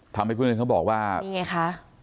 ทำให้เพื่อนเขาบอกว่านี่ไงคะ